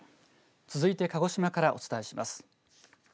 続いて鹿児島からお伝えします。